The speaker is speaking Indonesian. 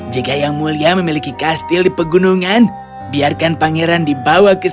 jika yang mulia memiliki kastil di pegunungan biarkan pangeran itu berada di ruangan khusus